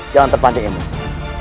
jangan terpanjang emosi